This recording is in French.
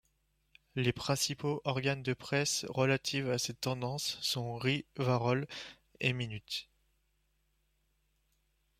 Les principaux organes de presse relatifs à cette tendance sont Rivarol et Minute.